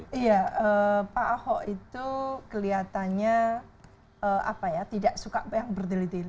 iya pak ahok itu kelihatannya tidak suka yang berdeli